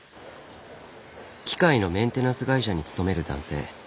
機械のメンテナンス会社に勤める男性。